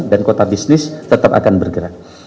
kota bisnis tetap akan bergerak